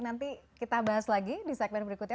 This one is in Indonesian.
nanti kita bahas lagi di segmen berikutnya